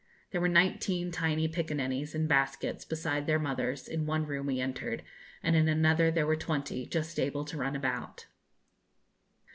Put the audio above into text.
There were nineteen tiny piccaninnies, in baskets, beside their mothers, in one room we entered, and in another there were twenty just able to run about.